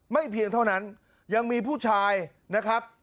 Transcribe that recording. เพียงเท่านั้นยังมีผู้ชายนะครับ